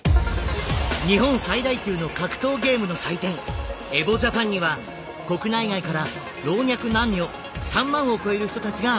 日本最大級の格闘ゲームの祭典「ＥＶＯＪａｐａｎ」には国内外から老若男女３万を超える人たちが集まります。